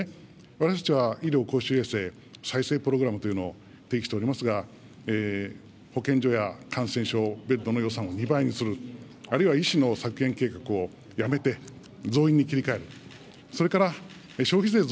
私たちは、医療公衆衛生再生プログラムというのを提示しておりますが、保健所や感染症、ベッドの予算を２倍にする、あるいは医師の削減計画をやめて、増員に切り替える。